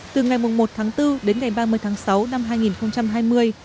từ ngày một tháng bốn đến ngày ba mươi tháng sáu năm hai nghìn hai mươi